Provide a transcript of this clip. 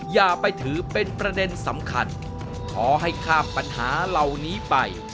อย่าไปถือเป็นประเด็นสำคัญขอให้ข้ามปัญหาเหล่านี้ไป